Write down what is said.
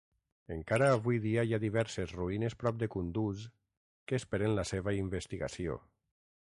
Encara avui dia hi ha diverses ruïnes prop de Kunduz que esperen la seva investigació.